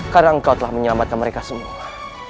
karena engkau telah menyelamatkan mereka semua